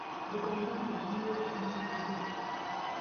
دوکاندار د جمعې ورځ لمونځ ته ځي.